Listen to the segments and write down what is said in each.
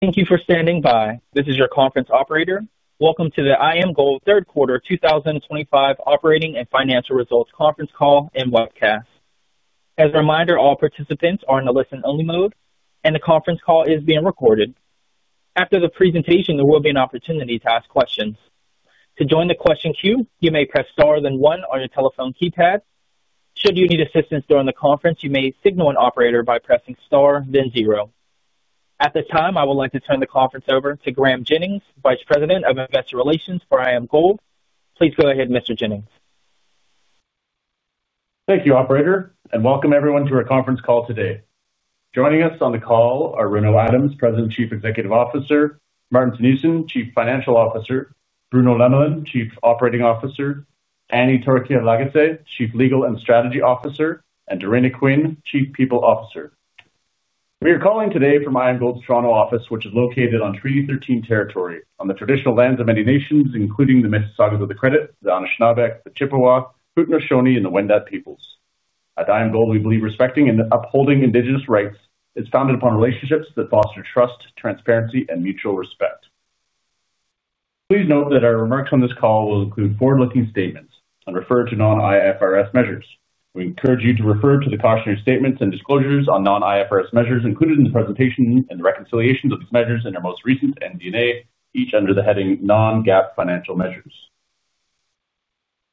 Thank you for standing by. This is your conference operator. Welcome to the IAMGOLD Quarter 2025 Operating and Financial Results Conference Call and Webcast. As a reminder, all participants are in a listen-only mode, and the conference call is being recorded. After the presentation, there will be an opportunity to ask questions. To join the question queue, you may press star then one on your telephone keypad. Should you need assistance during the conference, you may signal an operator by pressing star then zero. At this time, I would like to turn the conference over to Graeme Jennings, Vice President of Investor Relations for IAMGOLD. Please go ahead, Mr. Jennings. Thank you, Operator, and welcome everyone to our conference call today. Joining us on the call are Renaud Adams, President Chief Executive Officer; Maarten Theunissen, Chief Financial Officer; Bruno Lemelin, Chief Operating Officer; Annie Torkia Lagacé, Chief Legal and Strategy Officer; and Dorena Quinn, Chief People Officer. We are calling today from IAMGOLD's Toronto office, which is located on Treaty 13 territory on the traditional lands of many nations, including the Mississaugas of the Credit, the Anishinaabe, the Chippewa, Haudenosaunee, and the Wendat peoples. At IAMGOLD, we believe respecting and upholding Indigenous rights is founded upon relationships that foster trust, transparency, and mutual respect. Please note that our remarks on this call will include forward-looking statements and refer to non-IFRS measures. We encourage you to refer to the cautionary statements and disclosures on non-IFRS measures included in the presentation and the reconciliations of these measures in our most recent MD&A, each under the heading Non-GAAP Financial Measures.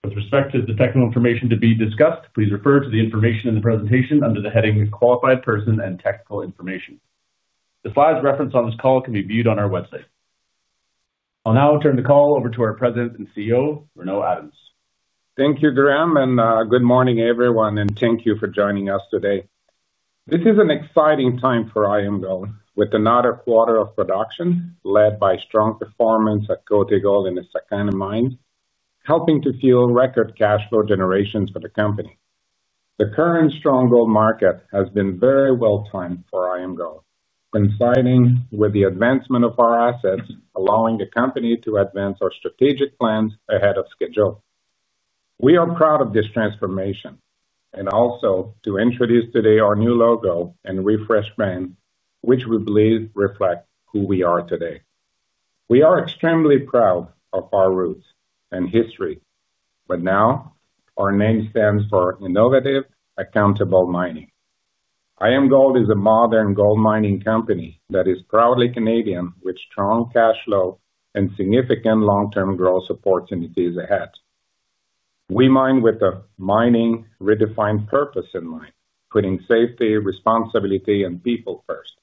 With respect to the technical information to be discussed, please refer to the information in the presentation under the heading Qualified Person and Technical Information. The slides referenced on this call can be viewed on our website. I'll now turn the call over to our President and CEO, Renaud Adams. Thank you, Graeme, and good morning, everyone, and thank you for joining us today. This is an exciting time for IAMGOLD, with another quarter of production led by strong performance at Côté Gold and Essakane, helping to fuel record cash flow generations for the company. The current strong gold market has been very well timed for IAMGOLD, coinciding with the advancement of our assets, allowing the company to advance our strategic plans ahead of schedule. We are proud of this transformation and also to introduce today our new logo and refreshed brand, which we believe reflect who we are today. We are extremely proud of our roots and history, but now our name stands for Innovative Accountable Mining. IAMGOLD is a modern gold mining company that is proudly Canadian, with strong cash flow and significant long-term growth opportunities ahead. We mine with a mining-redefined purpose in mind, putting safety, responsibility, and people first.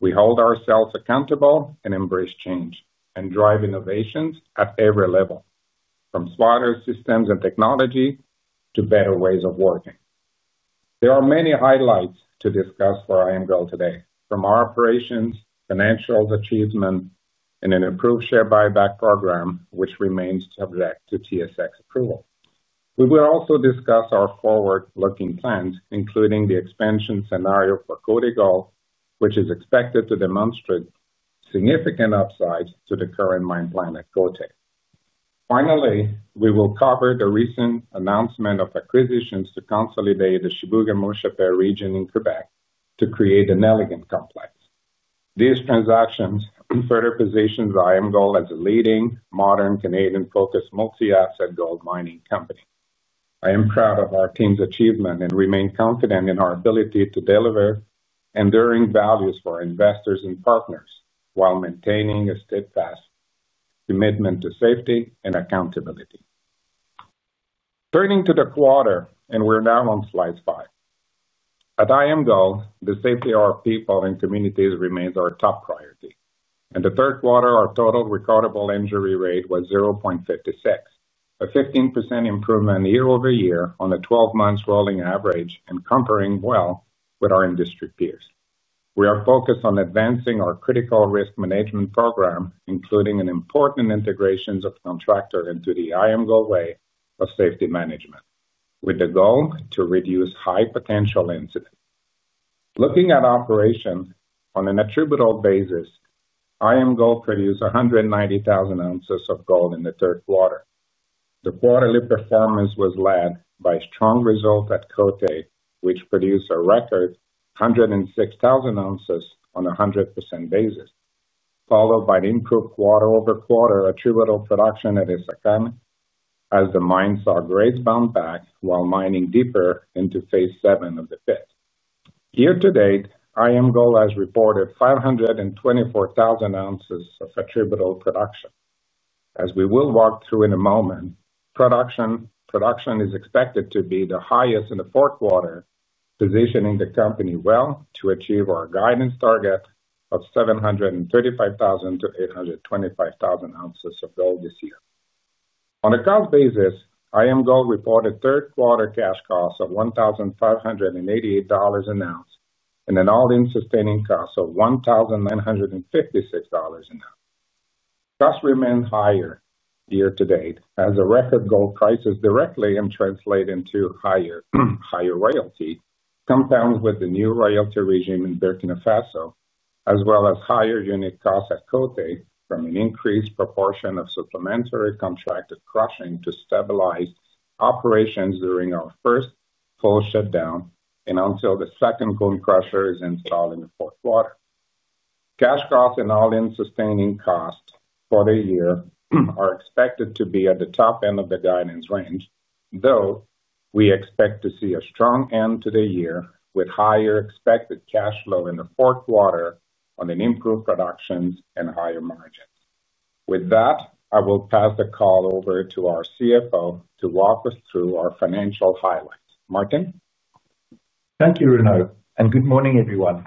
We hold ourselves accountable and embrace change and drive innovations at every level, from smarter systems and technology to better ways of working. There are many highlights to discuss for IAMGOLD today, from our operations, financial achievement, and an approved share buyback program, which remains subject to TSX approval. We will also discuss our forward-looking plans, including the expansion scenario for Côté Gold, which is expected to demonstrate significant upside to the current mine plan at Côté. Finally, we will cover the recent announcement of acquisitions to consolidate the Chibougamau region in Quebec to create a Nelligan complex. These transactions further position IAMGOLD as a leading modern Canadian-focused multi-asset gold mining company. I am proud of our team's achievement and remain confident in our ability to deliver enduring values for investors and partners while maintaining a steadfast commitment to safety and accountability. Turning to the quarter, we are now on slide five. At IAMGOLD, the safety of our people and communities remains our top priority. In the third quarter, our total recordable injury rate was 0.56, a 15% improvement year over year on a 12-month rolling average, and comparing well with our industry peers. We are focused on advancing our critical risk management program, including an important integration of contractor into the IAMGOLD way of safety management, with the goal to reduce high-potential incidents. Looking at operations on an attributable basis, IAMGOLD produced 190,000 oz of gold in the third quarter. The quarterly performance was led by strong results at Côté, which produced a record 106,000 oz on a 100% basis, followed by improved quarter-over-quarter attributable production at Essakane as the mine saw grades bounce back while mining deeper into phase seven of the pit. Year to date, IAMGOLD has reported 524,000 oz of attributable production. As we will walk through in a moment, production is expected to be the highest in the fourth quarter, positioning the company well to achieve our guidance target of 735,000-825,000 oz of gold this year. On a cost basis, IAMGOLD reported third quarter cash costs of CND 1,588 an oz and an all-in sustaining cost of CND 1,956 an oz. Costs remain higher year to date as the record gold prices directly translate into higher. Royalty, compounded with the new royalty regime in Burkina Faso, as well as higher unit costs at Côté from an increased proportion of supplementary contracted crushing to stabilize operations during our first full shutdown and until the second gold crusher is installed in the fourth quarter. Cash costs and all-in sustaining costs for the year are expected to be at the top end of the guidance range, though we expect to see a strong end to the year with higher expected cash flow in the fourth quarter on an improved production and higher margins. With that, I will pass the call over to our CFO to walk us through our financial highlights. Maarten. Thank you, Renaud, and good morning, everyone.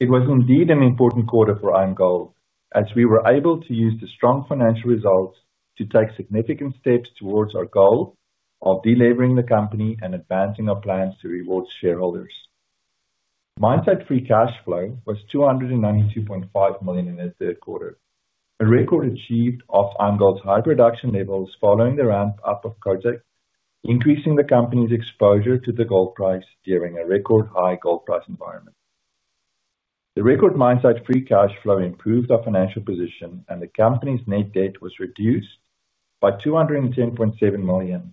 It was indeed an important quarter for IAMGOLD as we were able to use the strong financial results to take significant steps towards our goal of delivering the company and advancing our plans to reward shareholders. Mine site free cash flow was CND 292.5 million in the third quarter, a record achieved off IAMGOLD's high production levels following the ramp-up of Côté, increasing the company's exposure to the gold price during a record high gold price environment. The record mine site free cash flow improved our financial position, and the company's net debt was reduced by CND 210.7 million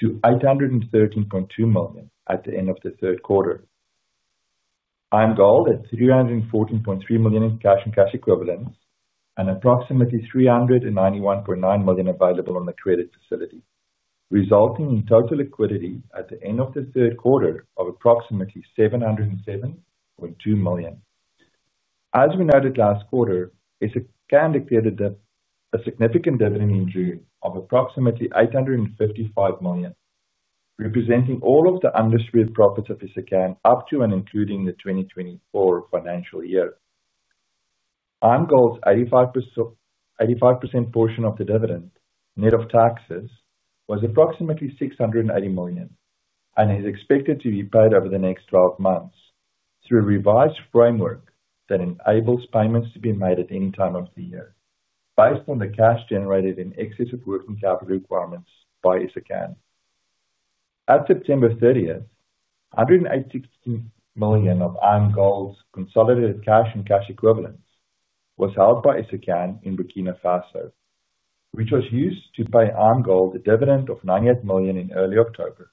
to CND 813.2 million at the end of the third quarter. IAMGOLD had CND 314.3 million in cash and cash equivalents and approximately CND 391.9 million available on the credit facility, resulting in total liquidity at the end of the third quarter of approximately CND 707.2 million. As we noted last quarter, Essakane dictated a significant dividend in June of approximately CND 855 million, representing all of the industry profits of Essakane up to and including the 2024 financial year. IAMGOLD's 85% portion of the dividend, net of taxes, was approximately CND 680 million and is expected to be paid over the next 12 months through a revised framework that enables payments to be made at any time of the year based on the cash generated in excess of working capital requirements by Essakane. At September 30th, CND 116 million of IAMGOLD's consolidated cash and cash equivalents was held by Essakane in Burkina Faso, which was used to pay IAMGOLD a dividend of CND 98 million in early October.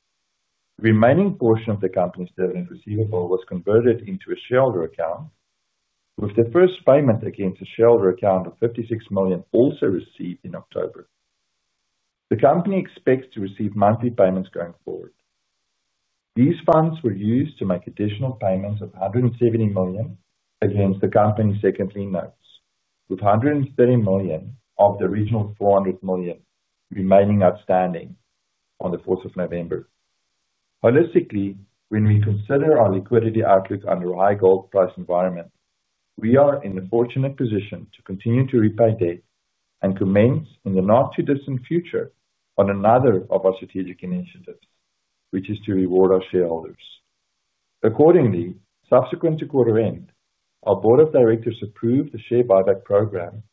The remaining portion of the company's dividend receivable was converted into a shareholder account, with the first payment against a shareholder account of CND 56 million also received in October. The company expects to receive monthly payments going forward. These funds were used to make additional payments of $170 million against the company's secondary notes, with CND 130 million of the original CND 400 million remaining outstanding on the 4th of November. Holistically, when we consider our liquidity outlook under a high gold price environment, we are in a fortunate position to continue to repay debt and commence in the not-too-distant future on another of our strategic initiatives, which is to reward our shareholders. Accordingly, subsequent to quarter end, our Board of Directors approved the share buyback program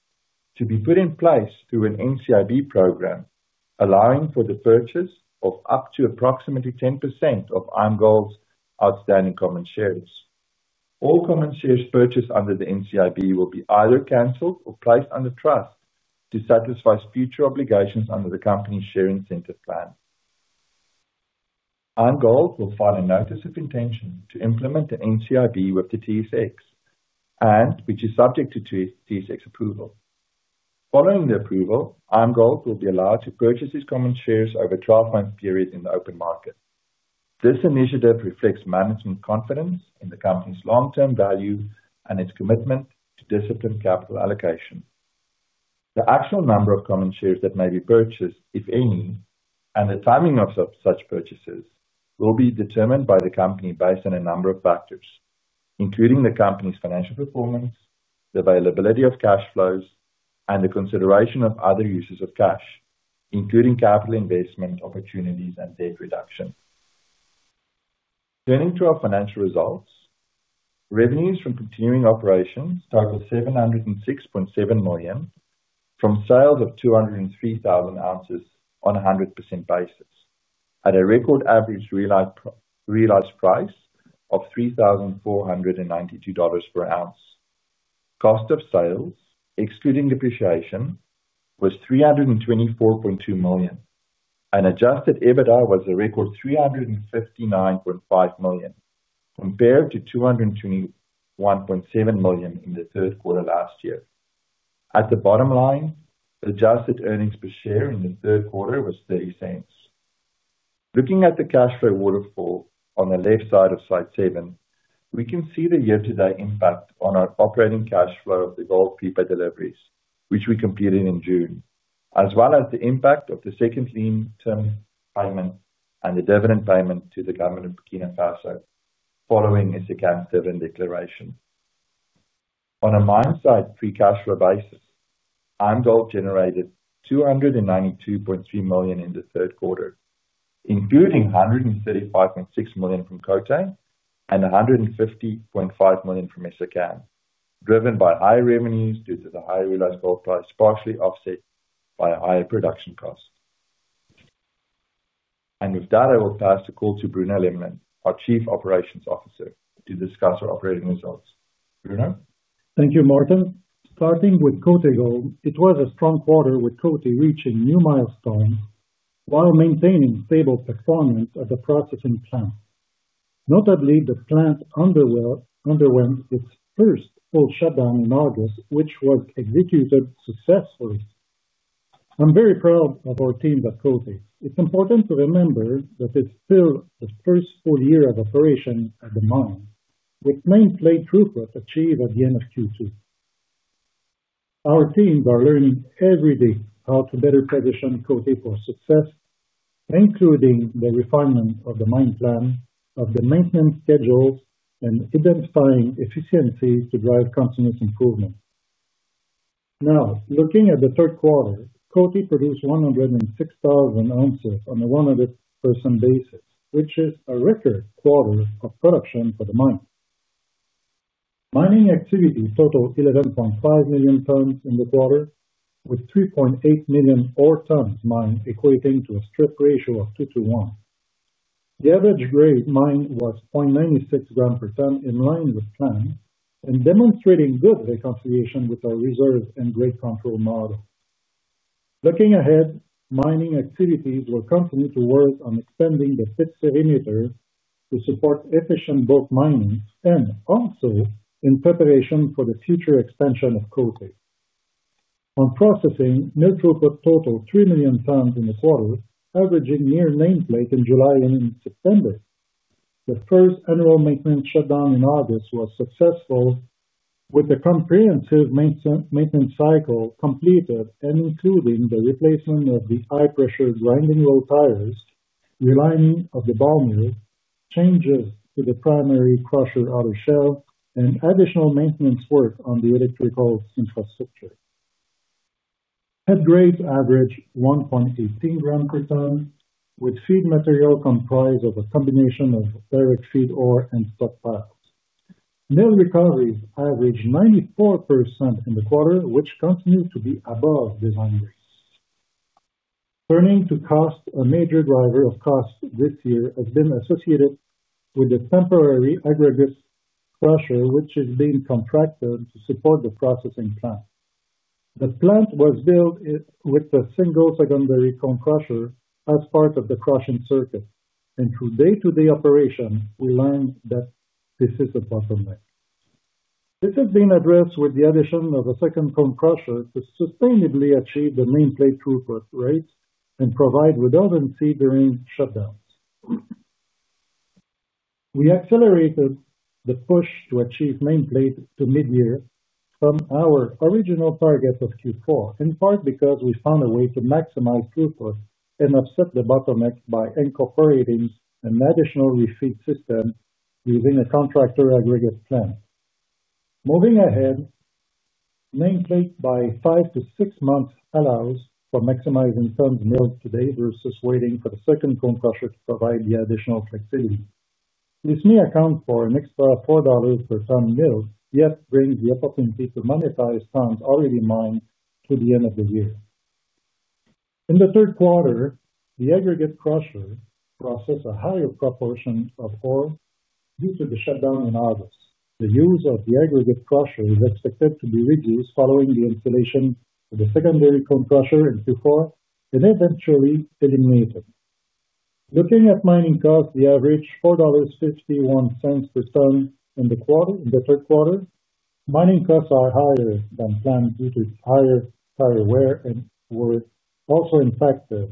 to be put in place through an NCIB program, allowing for the purchase of up to approximately 10% of IAMGOLD's outstanding common shares. All common shares purchased under the NCIB will be either canceled or placed under trust to satisfy future obligations under the company's share incentive plan. IAMGOLD will file a notice of intention to implement the NCIB with the TSX, which is subject to TSX approval. Following the approval, IAMGOLD will be allowed to purchase its common shares over a 12-month period in the open market. This initiative reflects management confidence in the company's long-term value and its commitment to disciplined capital allocation. The actual number of common shares that may be purchased, if any, and the timing of such purchases will be determined by the company based on a number of factors, including the company's financial performance, the availability of cash flows, and the consideration of other uses of cash, including capital investment opportunities and debt reduction. Turning to our financial results, revenues from continuing operations total CND 706.7 million from sales of 203,000 oz on a 100% basis at a record average realized price of CND 3,492 per oz. Cost of sales, excluding depreciation, was CND 324.2 million, and adjusted EBITDA was a record CND 359.5 million, compared to CND 221.7 million in the third quarter last year. At the bottom line, adjusted earnings per share in the third quarter was CND 0.30. Looking at the cash flow waterfall on the left side of slide seven, we can see the year-to-date impact on our operating cash flow of the gold prepay deliveries, which we completed in June, as well as the impact of the secondary payment and the dividend payment to the government of Burkina Faso following Essakane's dividend declaration. On a mine site free cash flow basis, IAMGOLD generated CND 292.3 million in the third quarter, including CND 135.6 million from Côté and CND 150.5 million from Essakane, driven by higher revenues due to the high realized gold price, partially offset by higher production costs. With that, I will pass the call to Bruno Lemelin, our Chief Operating Officer, to discuss our operating results. Bruno. Thank you, Martin. Starting with Côté Gold, it was a strong quarter with Côté reaching new milestones while maintaining stable performance at the processing plant. Notably, the plant underwent its first full shutdown in August, which was executed successfully. I'm very proud of our team at Côté. It's important to remember that it's still the first full year of operation at the mine, with main plate throughput achieved at the end of Q2. Our teams are learning every day how to better position Côté for success, including the refinement of the mine plan, of the maintenance schedules, and identifying efficiencies to drive continuous improvement. Now, looking at the third quarter, Côté produced 106,000 oz on a 100% basis, which is a record quarter of production for the mine. Mining activity totaled 11.5 million tons in the quarter, with 3.8 million ore tons mined equating to a strip ratio of 2:1. The average grade mined was 0.96 g per ton, in line with plan and demonstrating good reconciliation with our reserve and grade control model. Looking ahead, mining activities will continue to work on extending the fixed perimeter to support efficient bulk mining and also in preparation for the future expansion of Côté. On processing, mill throughput totaled 3 million tons in the quarter, averaging near name plate in July and in September. The first annual maintenance shutdown in August was successful, with the comprehensive maintenance cycle completed and including the replacement of the high-pressure grinding roll tires, relining of the ball mill, changes to the primary crusher outer shell, and additional maintenance work on the electrical infrastructure. Head grades average 1.18 g per ton, with feed material comprised of a combination of direct feed ore and stockpiles. Mill recoveries averaged 94% in the quarter, which continued to be above design rates. Turning to cost, a major driver of cost this year has been associated with the temporary aggregate crusher, which has been contracted to support the processing plant. The plant was built with a single secondary cone crusher as part of the crushing circuit, and through day-to-day operation, we learned that this is a bottleneck. This has been addressed with the addition of a second cone crusher to sustainably achieve the main plate throughput rates and provide redundancy during shutdowns. We accelerated the push to achieve main plate to mid-year from our original target of Q4, in part because we found a way to maximize throughput and offset the bottleneck by incorporating an additional refeed system using a contractor aggregate plan. Moving ahead, main plate by five to six months allows for maximizing tons milled today versus waiting for the second cone crusher to provide the additional flexibility. This may account for an extra CND 4 per ton milled, yet brings the opportunity to monetize tons already mined to the end of the year. In the third quarter, the aggregate crusher processed a higher proportion of ore due to the shutdown in August. The use of the aggregate crusher is expected to be reduced following the installation of the secondary cone crusher in Q4 and eventually eliminated. Looking at mining costs, the average CND 4.51 per ton in the third quarter, mining costs are higher than planned due to higher tire wear and were also impacted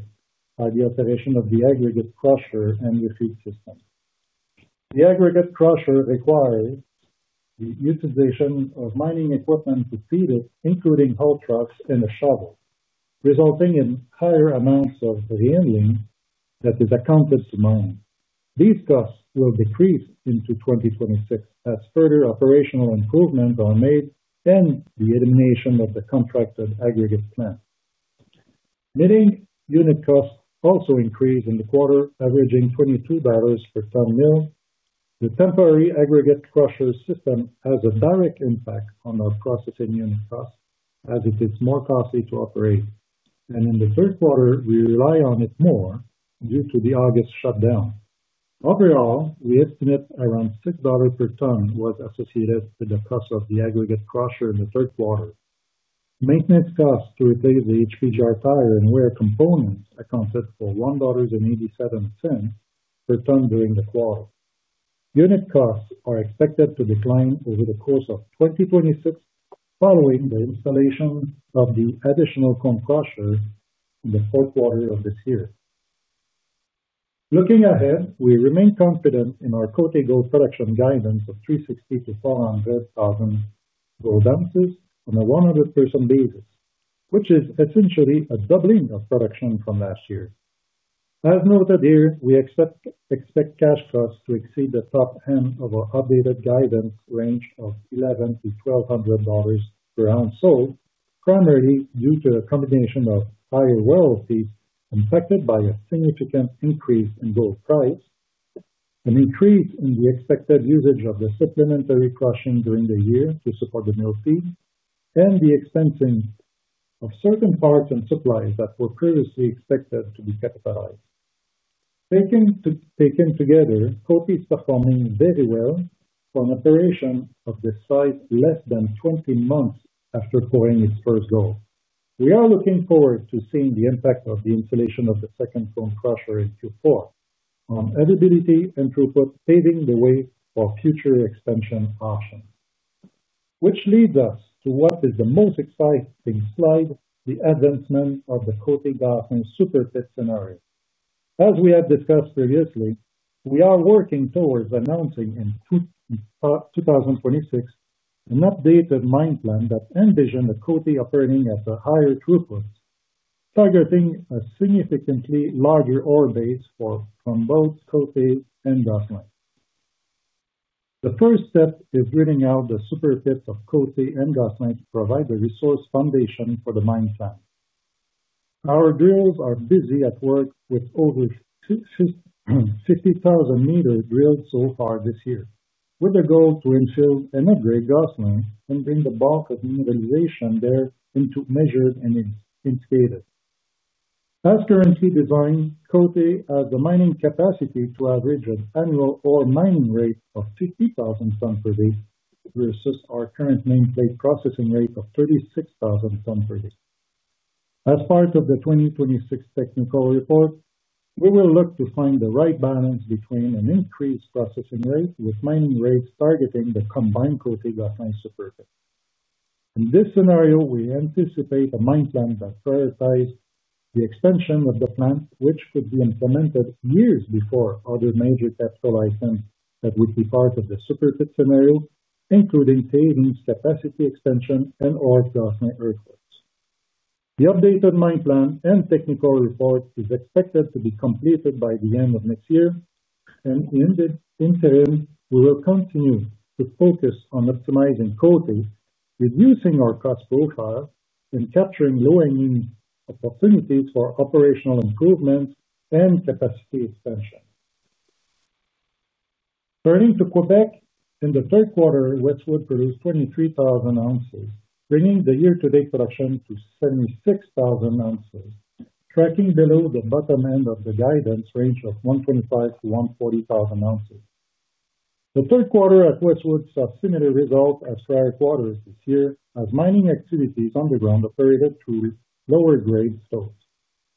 by the operation of the aggregate crusher and refeed system. The aggregate crusher requires. The utilization of mining equipment to feed it, including haul trucks and a shovel, resulting in higher amounts of rehandling that is accounted to mine. These costs will decrease into 2026 as further operational improvements are made and the elimination of the contracted aggregate plant. Milling unit costs also increased in the quarter, averaging CND 22 per ton milled. The temporary aggregate crusher system has a direct impact on our processing unit costs as it is more costly to operate. In the third quarter, we rely on it more due to the August shutdown. Overall, we estimate around CND 6 per ton was associated with the cost of the aggregate crusher in the third quarter. Maintenance costs to replace the HPGR tire and wear components accounted for CND 1.87 per ton during the quarter. Unit costs are expected to decline over the course of 2026 following the installation of the additional cone crusher in the fourth quarter of this year. Looking ahead, we remain confident in our Côté Gold production guidance of 360,000-400,000 gold oz on a 100% basis, which is essentially a doubling of production from last year. As noted here, we expect cash costs to exceed the top end of our updated guidance range of CND 1,100-$CND 1,200 per oz sold, primarily due to a combination of higher oil fees impacted by a significant increase in gold price, an increase in the expected usage of the supplementary crushing during the year to support the mill fees, and the expensing of certain parts and supplies that were previously expected to be capitalized. Taken together, Côté is performing very well for an operation of this size less than 20 months after pouring its first gold. We are looking forward to seeing the impact of the installation of the second cone crusher in Q4 on availability and throughput, paving the way for future expansion options. This leads us to what is the most exciting slide, the advancement of the Côté Gas and Super Pit scenario. As we have discussed previously, we are working towards announcing in 2026 an updated mine plan that envisions Côté operating at a higher throughput, targeting a significantly larger ore base for both Côté and Gosselin. The first step is drilling out the Super Pit of Côté and Gosselin to provide the resource foundation for the mine plan. Our drills are busy at work with over. 50,000 m drilled so far this year, with the goal to infill and upgrade Gosselin and bring the bulk of mineralization there into measured and indicated. As currently designed, Côté has the mining capacity to average an annual ore mining rate of 50,000 tons per day versus our current main plate processing rate of 36,000 tons per day. As part of the 2026 technical report, we will look to find the right balance between an increased processing rate with mining rates targeting the combined Côté-Gosselin Super Pit. In this scenario, we anticipate a mine plan that prioritizes the expansion of the plant, which could be implemented years before other major capital items that would be part of the Super Pit scenario, including paving capacity expansion and ore-Gosselin earthworks. The updated mine plan and technical report is expected to be completed by the end of next year, and in the interim, we will continue to focus on optimizing Côté, reducing our cost profile, and capturing low-hanging opportunities for operational improvements and capacity expansion. Turning to Quebec, in the third quarter, Westwood produced 23,000 oz, bringing the year-to-date production to 76,000 oz, tracking below the bottom end of the guidance range of 125,000-140,000 oz. The third quarter at Westwood saw similar results as prior quarters this year, as mining activities underground operated through lower-grade stopes,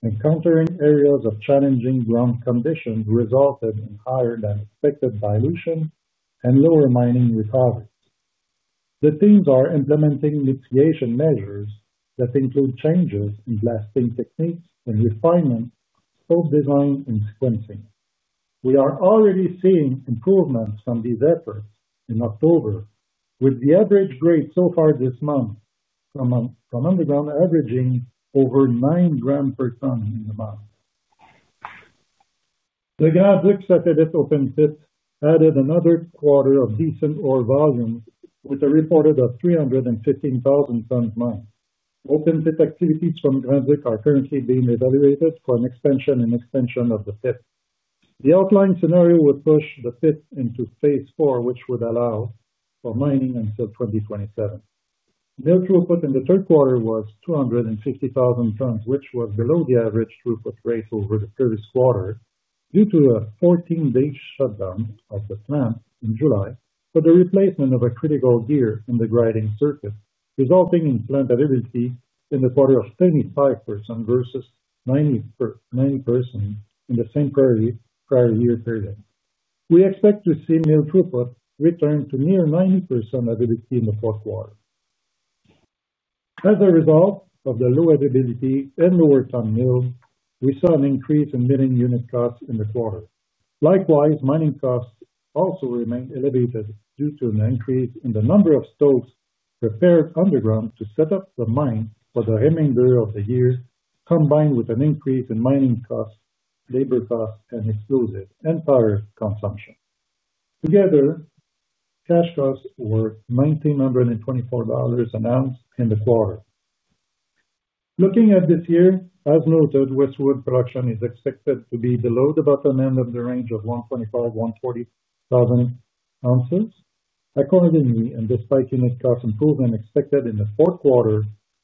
encountering areas of challenging ground conditions resulting in higher-than-expected dilution and lower mining recoveries. The teams are implementing mitigation measures that include changes in blasting techniques and refinement, stope design, and sequencing. We are already seeing improvements from these efforts in October, with the average grade so far this month from underground averaging over 9 g per tonne in the month. The Grand Duc at Edith Open Pit added another quarter of decent ore volume, with a reported 315,000 tonnes mined. Open Pit activities from Grand Duc are currently being evaluated for an expansion and extension of the pit. The outline scenario would push the pit into phase four, which would allow for mining until 2027. Mill throughput in the third quarter was 250,000 tonnes, which was below the average throughput rate over the previous quarter due to a 14-day shutdown of the plant in July for the replacement of a critical gear in the grinding circuit, resulting in plant availability in the quarter of 75% versus 90% in the same prior year period. We expect to see mill throughput return to near 90% availability in the fourth quarter. As a result of the low availability and lower ton milled, we saw an increase in milling unit costs in the quarter. Likewise, mining costs also remained elevated due to an increase in the number of stopes prepared underground to set up the mine for the remainder of the year, combined with an increase in mining costs, labor costs, and exclusive and power consumption. Together. Cash costs were CND 1,924 an ounce in the quarter. Looking at this year, as noted, Westwood production is expected to be below the bottom end of the range of 125,000-140,000 oz. Accordingly, and despite unit cost improvement expected in the fourth quarter,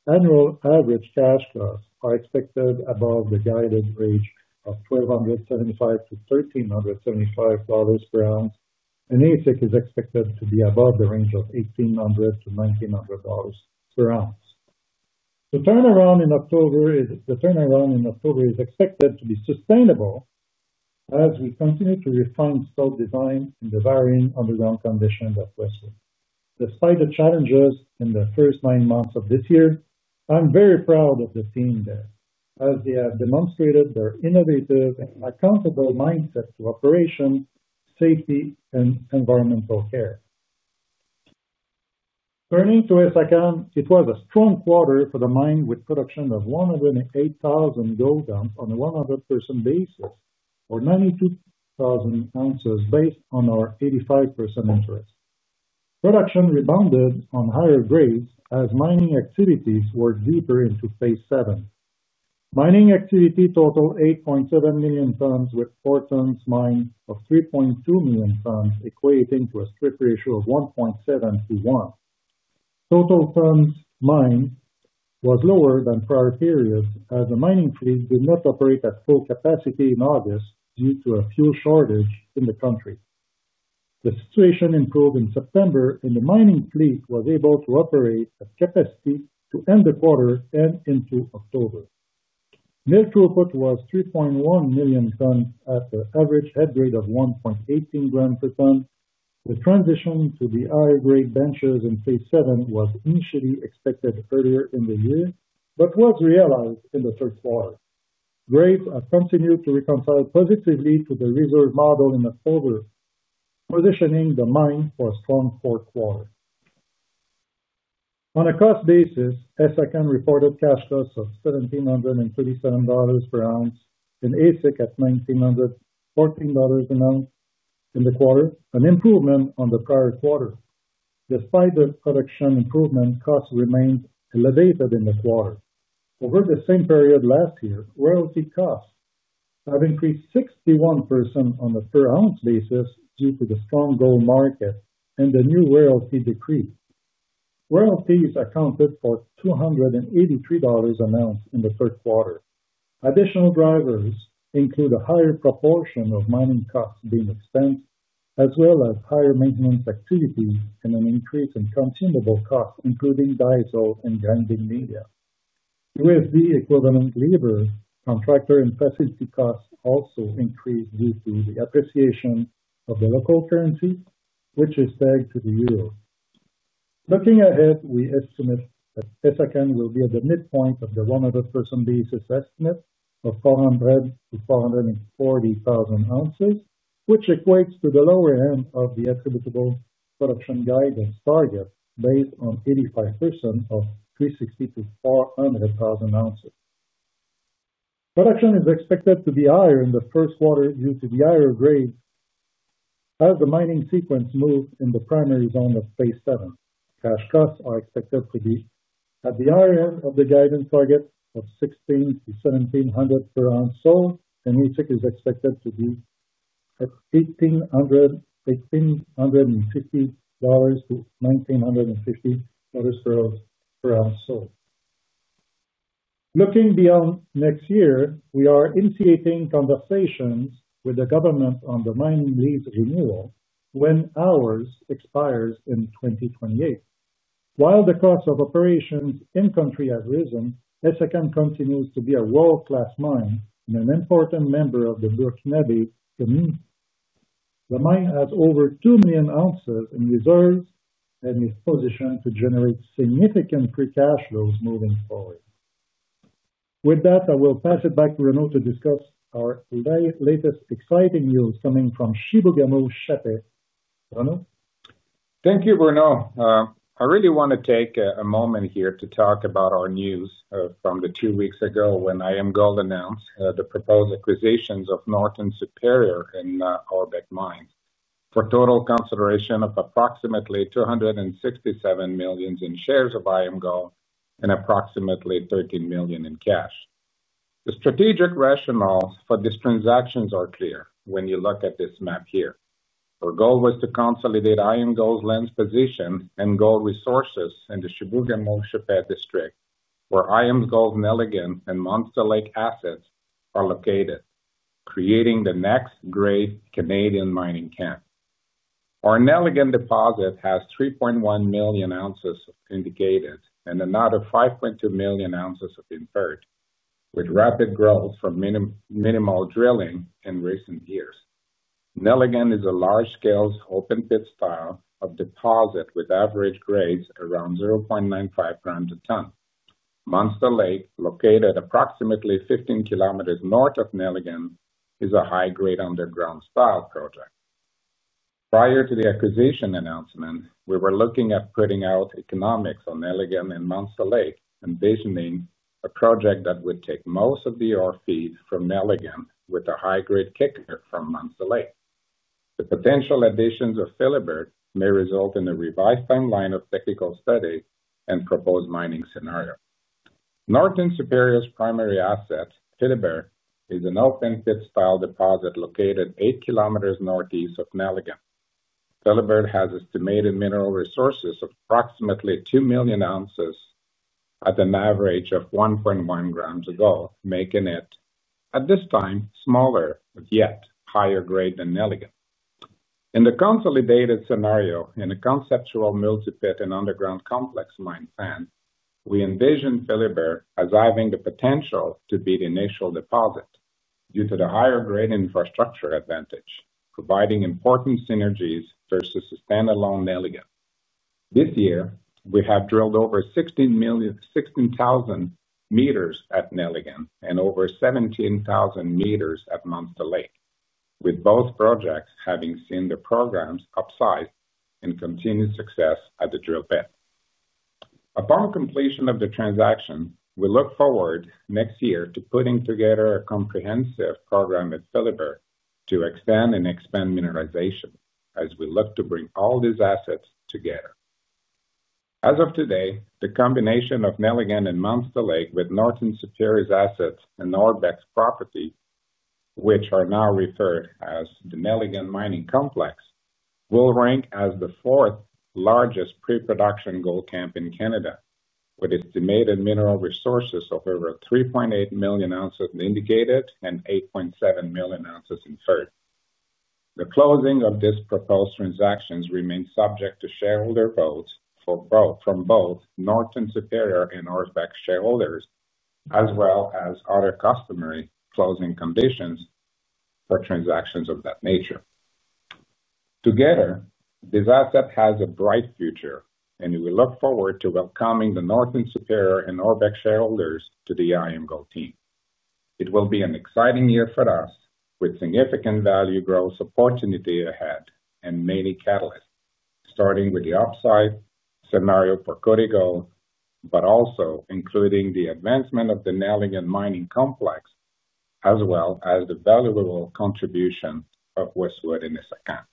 annual average cash costs are expected above the guided range of CND 1,275-CND 1,375 per oz, and AISC is expected to be above the range of CND 1,800-CND 1,900 per oz. The turnaround in October is expected to be sustainable as we continue to refine stope design in the varying underground conditions at Westwood. Despite the challenges in the first nine months of this year, I'm very proud of the team there as they have demonstrated their innovative and accountable mindset to operation, safety, and environmental care. Turning to Essakane, it was a strong quarter for the mine with production of 108,000 gold oz on a 100% basis or 92,000 oz based on our 85% interest. Production rebounded on higher grades as mining activities were deeper into phase VII. Mining activity totaled 8.7 million tons, with four tons mined of 3.2 million tons equating to a strip ratio of 1.7 to 1. Total tons mined was lower than prior periods as the mining fleet did not operate at full capacity in August due to a fuel shortage in the country. The situation improved in September, and the mining fleet was able to operate at capacity to end the quarter and into October. Mill throughput was 3.1 million tons at the average head grade of 1.18 grams per ton. The transition to the higher grade benches in phase seven was initially expected earlier in the year but was realized in the third quarter. Grades have continued to reconcile positively to the reserve model in October, positioning the mine for a strong fourth quarter. On a cost basis, Essakane reported cash costs of CND 1,737 per oz and Westwood at CND 1,914 an oz in the quarter, an improvement on the prior quarter. Despite the production improvement, costs remained elevated in the quarter. Over the same period last year, royalty costs have increased 61% on the per oz basis due to the strong gold market and the new royalty decrease. Royalty accounted for CND 283 an oz in the third quarter. Additional drivers include a higher proportion of mining costs being expensed, as well as higher maintenance activities and an increase in consumable costs, including diesel and grinding media. USD-equivalent labor, contractor, and facility costs also increased due to the appreciation of the local currency, which is tagged to the euro. Looking ahead, we estimate that Essakane will be at the midpoint of the 100% basis estimate of 400,000-440,000 oz, which equates to the lower end of the attributable production guidance target based on 85% of 360,000-400,000 oz. Production is expected to be higher in the first quarter due to the higher grade. As the mining sequence moves in the primary zone of phase VII, cash costs are expected to be at the higher end of the guidance target of CND 1,600-CND 1,700 per oz sold, and AISC is expected to be at CND 1,850-CND 1,950 per oz sold. Looking beyond next year, we are initiating conversations with the government on the mining lease renewal when ours expires in 2028. While the cost of operations in-country has risen, Essakane continues to be a world-class mine and an important member of the Burkina Faso community. The mine has over 2 million ounces in reserves and is positioned to generate significant free cash flows moving forward. With that, I will pass it back to Renaud to discuss our latest exciting news coming from Chibougamau. Renaud? Thank you, Bruno. I really want to take a moment here to talk about our news from two weeks ago when IAMGOLD announced the proposed acquisitions of Northern Superior and Orford Mines for total consideration of approximately CND 267 million in shares of IAMGOLD and approximately CND 13 million in cash. The strategic rationales for these transactions are clear when you look at this map here. Our goal was to consolidate IAMGOLD's land position and gold resources in the Chibougamau district, where IAMGOLD Nelligan and Monster Lake assets are located. Creating the next-grade Canadian mining camp. Our Nelligan deposit has 3.1 million oz indicated and another 5.2 million oz have been purged, with rapid growth from minimal drilling in recent years. Nelligan is a large-scale open pit style of deposit with average grades around 0.95 g a ton. Monster Lake, located approximately 15 km north of Nelligan, is a high-grade underground style project. Prior to the acquisition announcement, we were looking at putting out economics on Nelligan and Monster Lake, envisioning a project that would take most of the ore feed from Nelligan with a high-grade kicker from Monster Lake. The potential additions of Philibert may result in a revised timeline of technical study and proposed mining scenario. Norton Superior's primary asset, Philibert, is an open pit style deposit located 8 km northeast of Nelligan. Philibert has estimated mineral resources of approximately 2 million oz. At an average of 1.1 g of gold, making it, at this time, smaller but yet higher grade than Nelligan. In the consolidated scenario, in a conceptual multi-pit and underground complex mine plan, we envision Philibert as having the potential to be the initial deposit due to the higher-grade infrastructure advantage, providing important synergies versus a standalone Nelligan. This year, we have drilled over 16,000 m at Nelligan and over 17,000 m at Monster Lake, with both projects having seen the programs upsized and continued success at the drill bed. Upon completion of the transaction, we look forward next year to putting together a comprehensive program with Philibert to extend and expand mineralization as we look to bring all these assets together. As of today, the combination of Nelligan and Monster Lake with Norton Superior's assets and Orbec's property, which are now referred to as the Nelligan Mining Complex, will rank as the fourth-largest pre-production gold camp in Canada, with estimated mineral resources of over 3.8 million oz indicated and 8.7 million oz inferred. The closing of these proposed transactions remains subject to shareholder votes from both Norton Superior and Orbec shareholders, as well as other customary closing conditions for transactions of that nature. Together, this asset has a bright future, and we look forward to welcoming the Norton Superior and Orbec shareholders to the IAMGOLD team. It will be an exciting year for us, with significant value growth opportunity ahead and many catalysts, starting with the upside scenario for Côté, but also including the advancement of the Nelligan Mining Complex, as well as the valuable contribution of Westwood and Essakane.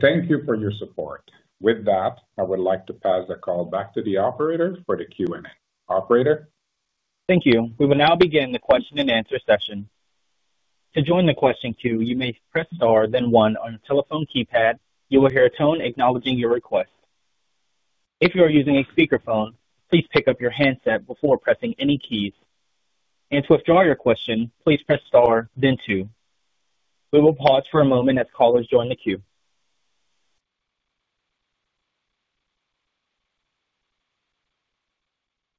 Thank you for your support. With that, I would like to pass the call back to the operator for the Q&A. Operator? Thank you. We will now begin the question-and-answer session. To join the question queue, you may press star then one on your telephone keypad. You will hear a tone acknowledging your request. If you are using a speakerphone, please pick up your handset before pressing any keys. To withdraw your question, please press star then two. We will pause for a moment as callers join the queue.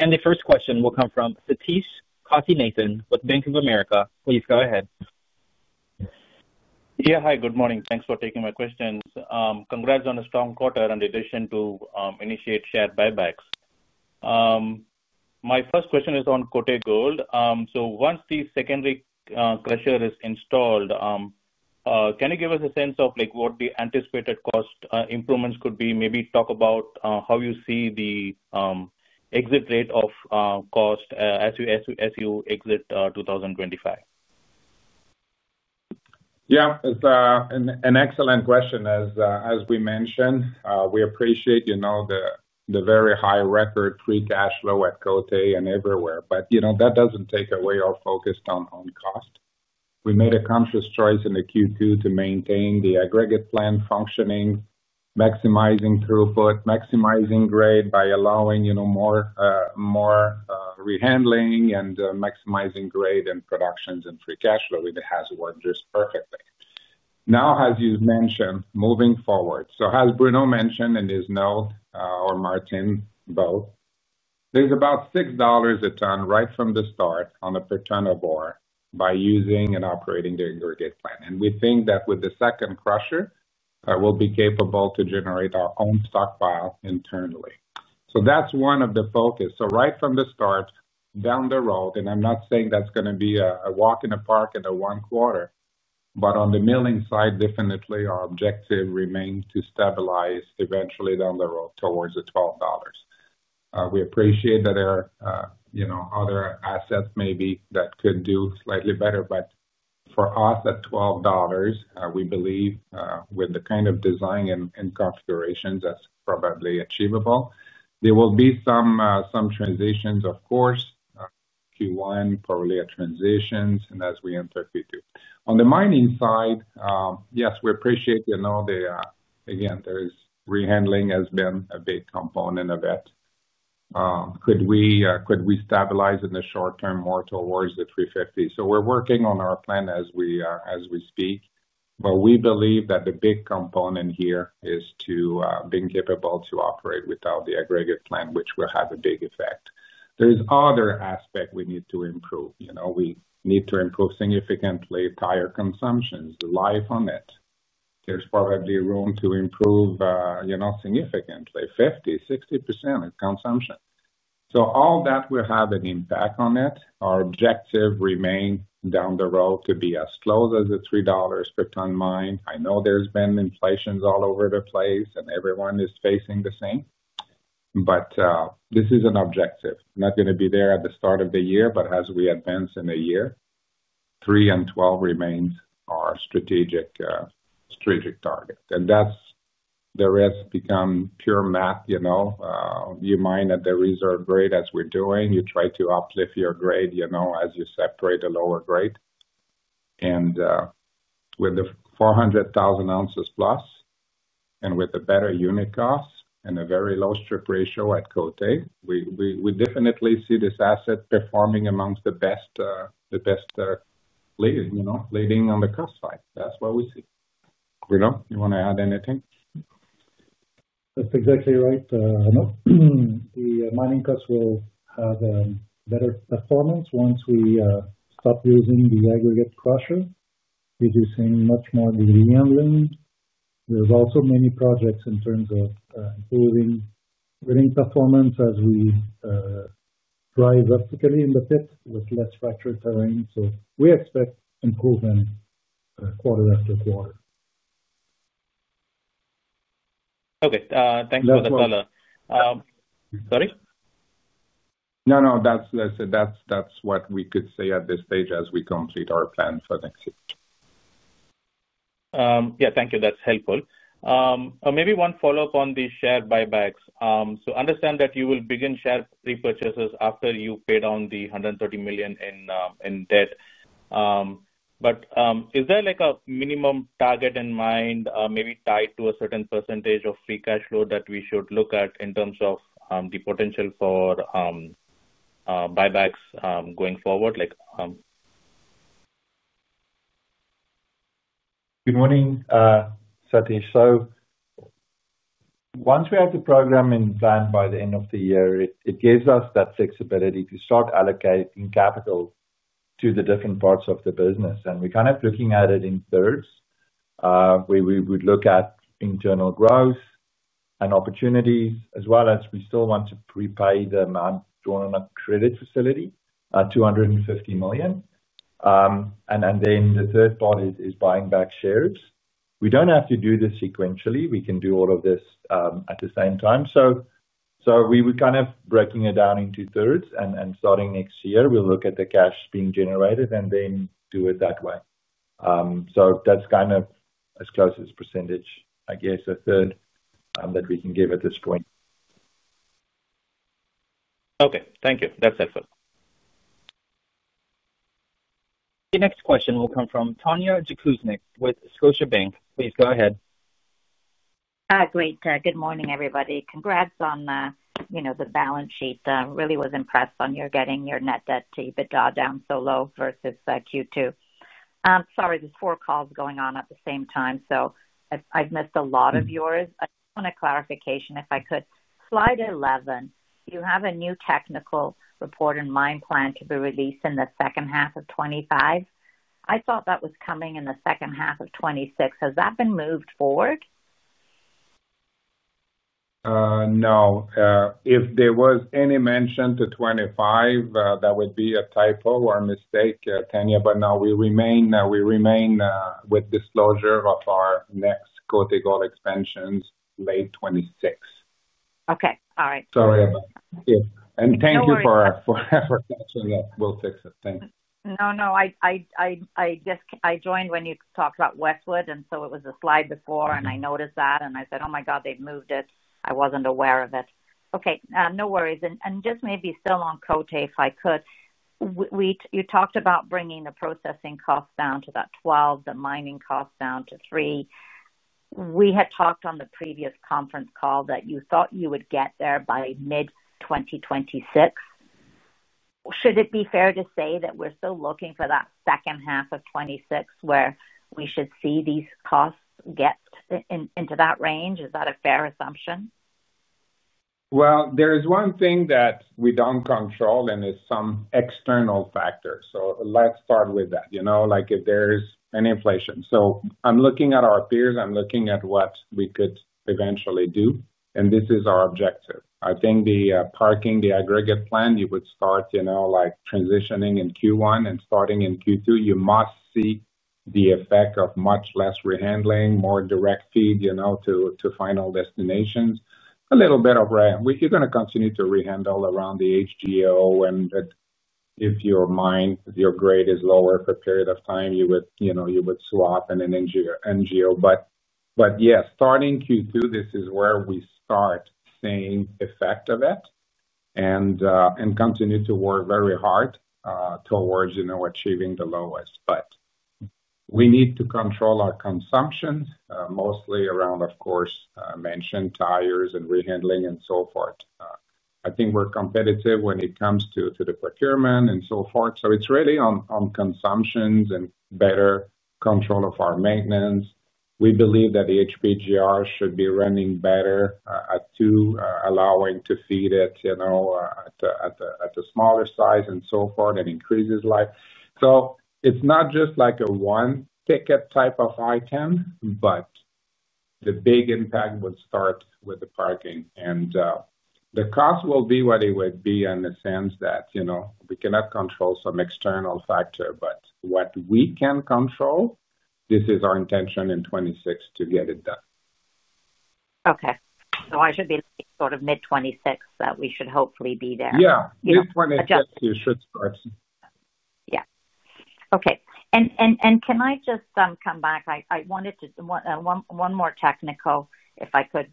The first question will come from Sathish Kasinathan with Bank of America. Please go ahead. Yeah, hi. Good morning. Thanks for taking my questions. Congrats on a strong quarter in addition to initiate share buybacks. My first question is on Côté Gold. Once the secondary crusher is installed. Can you give us a sense of what the anticipated cost improvements could be? Maybe talk about how you see the exit rate of cost as you exit 2025. Yeah, it's an excellent question. As we mentioned, we appreciate the very high record free cash flow at Côté and everywhere, but that doesn't take away our focus on cost. We made a conscious choice in the Q2 to maintain the aggregate plan functioning, maximizing throughput, maximizing grade by allowing more rehandling, and maximizing grade and production and free cash flow. It has worked just perfectly. Now, as you've mentioned, moving forward, as Bruno mentioned in his note or Martin Theunissen, there's about $6 a ton right from the start on a per ton of ore by using and operating the aggregate plan. We think that with the second crusher, we'll be capable to generate our own stockpile internally. That is one of the focuses. Right from the start, down the road, and I am not saying that is going to be a walk in the park and a one-quarter, but on the milling side, definitely our objective remains to stabilize eventually down the road towards the $12. We appreciate that there are other assets maybe that could do slightly better, but for us, at $12, we believe with the kind of design and configurations, that is probably achievable. There will be some transitions, of course. Q1, probably a transition, and as we enter Q2. On the mining side, yes, we appreciate the, again, rehandling has been a big component of it. Could we stabilize in the short term more towards the 350? We're working on our plan as we speak, but we believe that the big component here is being capable to operate without the aggregate plan, which will have a big effect. There are other aspects we need to improve. We need to improve significantly tire consumptions, the life on it. There is probably room to improve significantly, 50%-60% of consumption. All that will have an impact on it. Our objective remains down the road to be as close as the CND 3 per ton mine. I know there has been inflation all over the place, and everyone is facing the same, but this is an objective. Not going to be there at the start of the year, but as we advance in the year. 3 and 12 remains our strategic target. The rest becomes pure math. You mine at the reserve grade as we're doing. You try to uplift your grade as you separate a lower grade. With the 400,000+ oz, and with the better unit costs, and a very low strip ratio at Côté, we definitely see this asset performing amongst the best. Leading on the cost side. That is what we see. Bruno, you want to add anything? That is exactly right. The mining costs will have better performance once we stop using the aggregate crusher, reducing much more rehandling. There are also many projects in terms of improving drilling performance as we drive vertically in the pit with less fracture terrain. We expect improvement quarter after quarter. Okay. Thanks for the follow-up. Sorry? No, no. That is what we could say at this stage as we complete our plan for next year. Yeah, thank you. That is helpful. Maybe one follow-up on the share buybacks. I understand that you will begin share repurchases after you paid on the CND 130 million in debt. Is there a minimum target in mind, maybe tied to a certain percentage of free cash flow that we should look at in terms of the potential for buybacks going forward? Good morning, Sathish. Once we have the program in plan by the end of the year, it gives us that flexibility to start allocating capital to the different parts of the business. We are kind of looking at it in thirds. We would look at internal growth and opportunities, as well as we still want to prepay the amount drawn on a credit facility, CND 250 million. The third part is buying back shares. We do not have to do this sequentially. We can do all of this at the same time. We were kind of breaking it down into thirds. And starting next year, we'll look at the cash being generated and then do it that way. So that's kind of as close as percentage, I guess, a third that we can give at this point. Okay. Thank you. That's helpful. The next question will come from Tanya Jakusconek with Scotiabank. Please go ahead. Great. Good morning, everybody. Congrats on the balance sheet. Really was impressed on your getting your net debt to even jot down so low versus Q2. Sorry, there's four calls going on at the same time, so I've missed a lot of yours. I just want a clarification, if I could. Slide 11, you have a new technical report and mine plan to be released in the second half of 2025. I thought that was coming in the second half of 2026. Has that been moved forward? No. If there was any mention to 2025, that would be a typo or a mistake, Tanya, but no, we remain with disclosure of our next Côté Gold expansions late 2026. Okay. All right. Sorry about that. And thank you for mentioning that. We'll fix it. Thanks. No, no. I joined when you talked about Westwood, and so it was a slide before, and I noticed that, and I said, "Oh my God, they've moved it." I wasn't aware of it. Okay. No worries. And just maybe still on Côté, if I could. You talked about bringing the processing costs down to that 12, the mining costs down to 3. We had talked on the previous conference call that you thought you would get there by mid-2026. Should it be fair to say that we're still looking for that second half of 2026 where we should see these costs get into that range? Is that a fair assumption? There is one thing that we don't control, and it's some external factor. Let's start with that. If there's an inflation, I'm looking at our peers. I'm looking at what we could eventually do. This is our objective. I think the parking, the aggregate plan, you would start transitioning in Q1 and starting in Q2, you must see the effect of much less rehandling, more direct feed to final destinations. A little bit of rare. You're going to continue to rehandle around the HGO, and if your grade is lower for a period of time, you would swap in an NGO. Yes, starting Q2, this is where we start seeing the effect of it. We continue to work very hard towards achieving the lowest. We need to control our consumption, mostly around, of course, mentioned tires and rehandling and so forth. I think we're competitive when it comes to the procurement and so forth. It is really on consumptions and better control of our maintenance. We believe that the HPGR should be running better at two, allowing to feed it at a smaller size and so forth and increases life. It is not just like a one-ticket type of item. The big impact would start with the parking. The cost will be what it would be in the sense that we cannot control some external factor, but what we can control, this is our intention in 2026 to get it done. Okay. I should be looking sort of mid-2026 that we should hopefully be there. Yeah. Mid-2026, you should start. Yeah. Okay. Can I just come back? I wanted to. One more technical, if I could.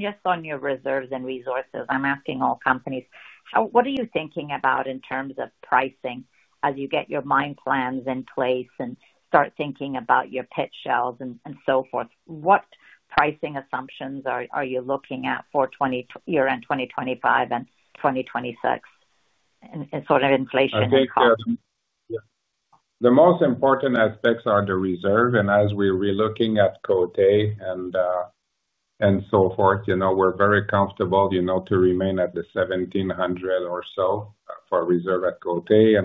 Just on your reserves and resources, I'm asking all companies, what are you thinking about in terms of pricing as you get your mine plans in place and start thinking about your pit shells and so forth? What pricing assumptions are you looking at for year-end 2025 and 2026? And sort of inflation and cost? Yeah. The most important aspects are the reserve. As we're looking at Côté and so forth, we're very comfortable to remain at the CND 1,700 or so for reserve at Côté.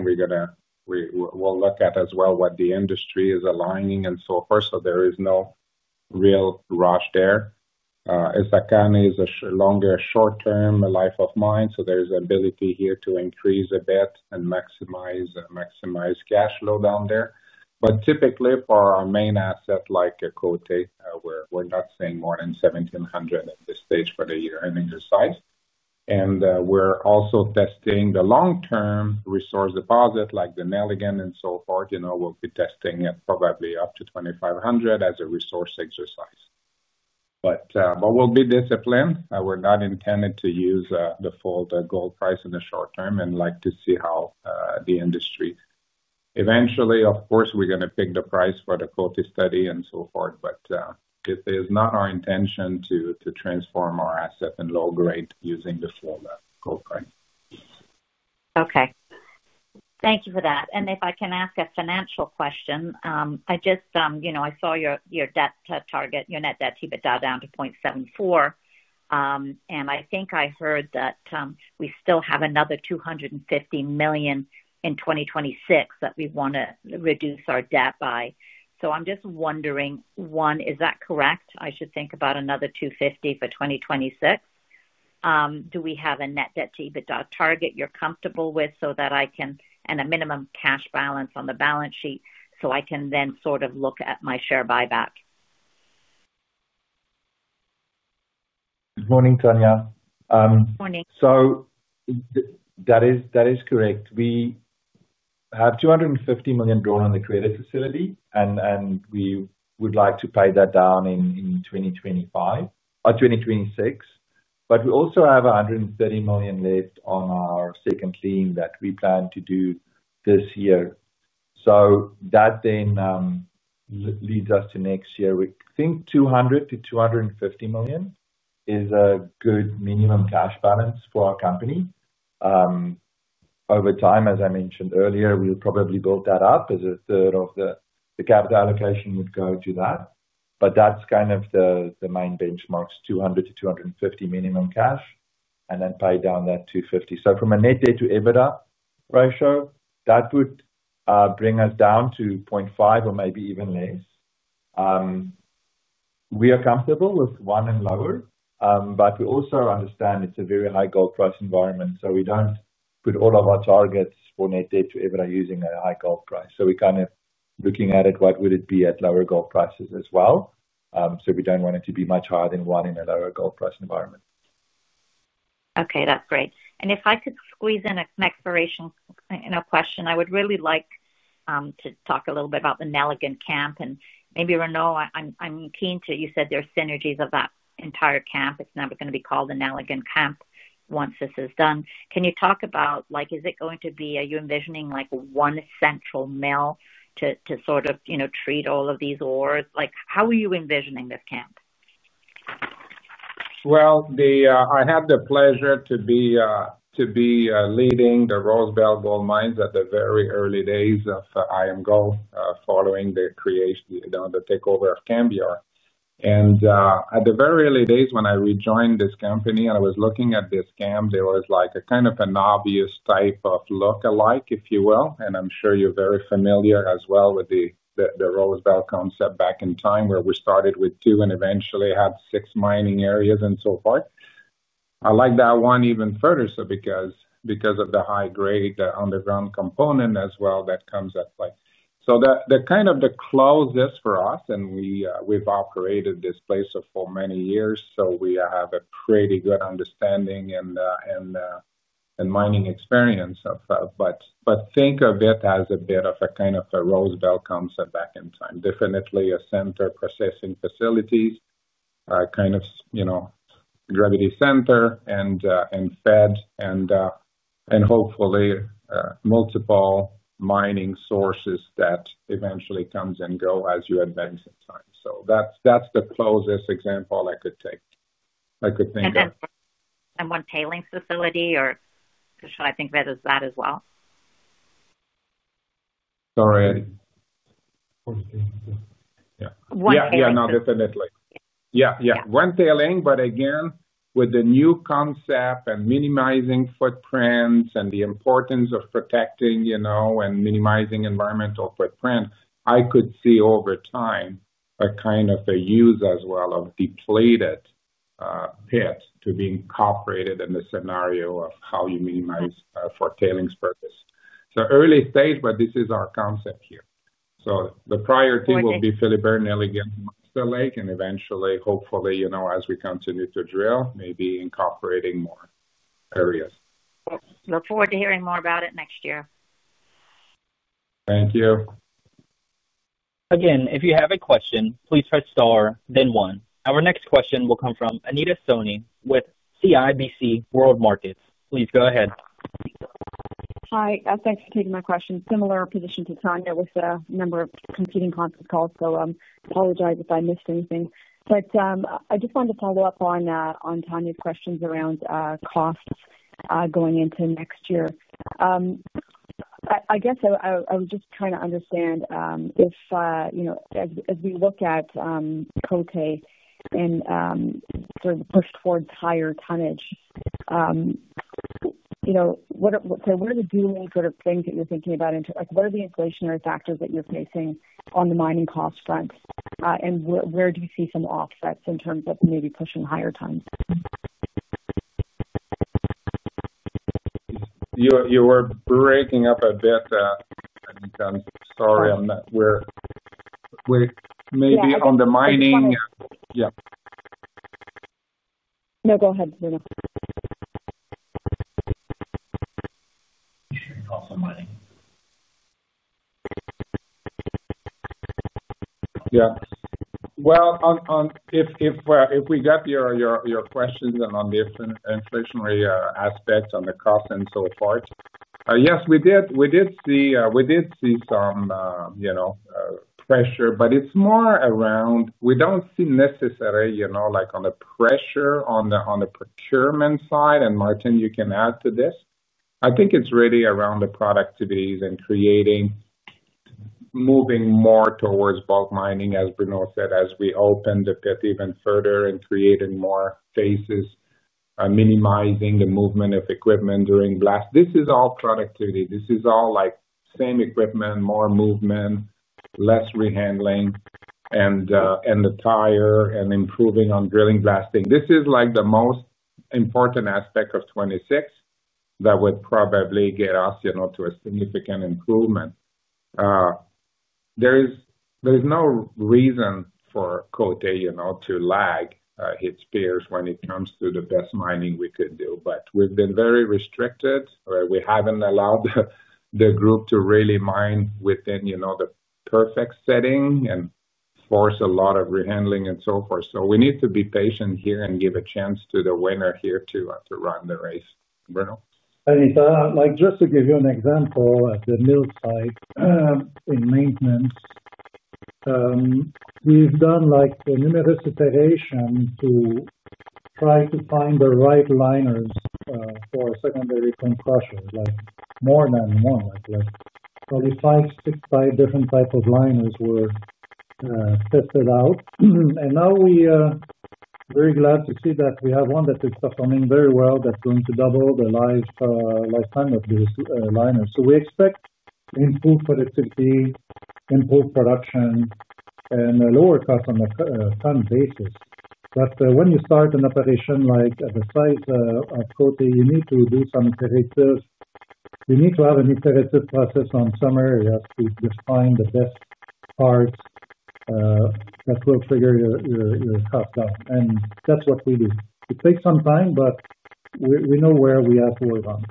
We'll look at as well what the industry is aligning and so forth. There is no real rush there. Essakane is a longer, short-term life of mine, so there's ability here to increase a bit and maximize cash flow down there. Typically, for our main asset like Côté, we're not seeing more than CND 1,700 at this stage for the year-end exercise. We're also testing the long-term resource deposit like Nelligan and so forth. We'll be testing it probably up to CND 2,500 as a resource exercise. We'll be disciplined. We're not intended to use the full gold price in the short term and like to see how the industry. Eventually, of course, we're going to pick the price for the Côté study and so forth. It is not our intention to transform our asset and low grade using the full gold price. Okay. Thank you for that. If I can ask a financial question, I just. I saw your debt target, your net debt even jot down to 0.74. I think I heard that we still have another CND 250 million in 2026 that we want to reduce our debt by. I'm just wondering, one, is that correct? I should think about another CND 250 million for 2026. Do we have a net debt even target you're comfortable with so that I can and a minimum cash balance on the balance sheet so I can then sort of look at my share buyback? Good morning, Tanya. Good morning. That is correct. We have CND 250 million drawn on the credit facility, and we would like to pay that down in 2025 or 2026. We also have CND 130 million left on our second lien that we plan to do this year. That then leads us to next year. We think CND 200 million-CND 250 million is a good minimum cash balance for our company. Over time, as I mentioned earlier, we'll probably build that up as a third of the capital allocation would go to that. But that's kind of the main benchmarks, CND 200 million-CND 250 million minimum cash, and then pay down that CND 250 million. From a net debt to EBITDA ratio, that would bring us down to 0.5 or maybe even less. We are comfortable with one and lower, but we also understand it's a very high gold price environment. We do not put all of our targets for net debt to EBITDA using a high gold price. We are kind of looking at it, what would it be at lower gold prices as well. We do not want it to be much higher than one in a lower gold price environment. Okay. That's great. If I could squeeze in a next iteration question, I would really like to talk a little bit about the Nelligan camp. Maybe, Renaud, I'm keen to—you said there are synergies of that entire camp. It's never going to be called the Nelligan camp once this is done. Can you talk about, is it going to be—are you envisioning one central mill to sort of treat all of these ores? How are you envisioning this camp? I had the pleasure to be leading the Rosevale Gold Mines at the very early days of IAMGOLD following the takeover of Cambior. At the very early days, when I rejoined this company, I was looking at this camp. There was kind of an obvious type of look-alike, if you will. I'm sure you're very familiar as well with the Rosevale concept back in time where we started with two and eventually had six mining areas and so forth. I like that one even further because of the high-grade, underground component as well that comes at play. Kind of the closest for us, and we've operated this place for many years, so we have a pretty good understanding and mining experience of. Think of it as a bit of a kind of a Rosevale concept back in time. Definitely a center processing facilities, kind of gravity center and fed, and hopefully multiple mining sources that eventually comes and go as you advance in time. That's the closest example I could take. I could think of. Okay. One tailings facility, or should I think of it as that as well? Sorry. Yeah. One tailing. Yeah, no, definitely. Yeah, yeah. One tailing, but again, with the new concept and minimizing footprints and the importance of protecting and minimizing environmental footprint, I could see over time a kind of a use as well of depleted pit to be incorporated in the scenario of how you minimize for tailings purpose. Early stage, but this is our concept here. The priority will be Philibert, Nelligan, Monster Lake, and eventually, hopefully, as we continue to drill, maybe incorporating more areas. Look forward to hearing more about it next year. Thank you. Again, if you have a question, please press star, then one. Our next question will come from Anita Soni with CIBC World Markets. Please go ahead. Hi. Thanks for taking my question. Similar position to Tanya with a number of competing conference calls, so I apologize if I missed anything. I just wanted to follow up on Tanya's questions around costs going into next year. I guess I was just trying to understand. If, as we look at Côté and sort of push forward higher tonnage, what are the dual sort of things that you're thinking about? What are the inflationary factors that you're facing on the mining cost front? Where do you see some offsets in terms of maybe pushing higher tons? You were breaking up a bit. I'm sorry. Maybe on the mining. Yeah. No, go ahead, Renaud. Yeah. If we got your questions on the inflationary aspects on the cost and so forth, yes, we did see some pressure, but it's more around we don't see necessarily on the pressure on the procurement side. Martin, you can add to this. I think it's really around the productivities and creating. Moving more towards bulk mining, as Bruno said, as we open the pit even further and creating more phases. Minimizing the movement of equipment during blast. This is all productivity. This is all same equipment, more movement, less rehandling, and the tire and improving on drilling blasting. This is the most important aspect of 2026 that would probably get us to a significant improvement. There is no reason for Côté to lag its peers when it comes to the best mining we could do. We have been very restricted. We have not allowed the group to really mine within the perfect setting and force a lot of rehandling and so forth. We need to be patient here and give a chance to the winner here to run the race. Bruno? Just to give you an example, at the mill site. In maintenance. We have done numerous iterations to. Try to find the right liners for secondary compression. More than one. Probably five, six, five different types of liners were tested out. And now we are very glad to see that we have one that is performing very well, that's going to double the lifetime of this liner. We expect improved productivity, improved production, and a lower cost on a ton basis. When you start an operation at the size of Côté, you need to do some iterative. You need to have an iterative process on some areas to define the best parts. That will trigger your cost down. That's what we do. It takes some time, but we know where we have to work on.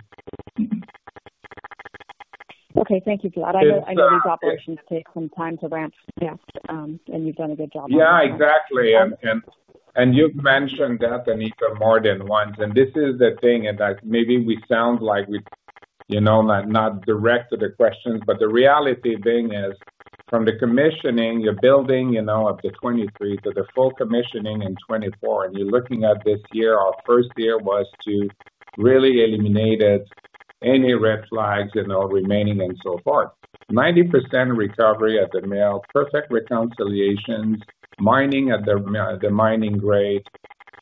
Okay. Thank you for that. I know these operations take some time to ramp fast, and you've done a good job. Yeah, exactly. You have mentioned that, Anita, more than once. This is the thing, and maybe we sound like not direct to the questions, but the reality being is from the commissioning, you are building up to 2023 to the full commissioning in 2024. You are looking at this year, our first year was to really eliminate any red flags remaining and so forth. 90% recovery at the mill, perfect reconciliations, mining at the mining grade,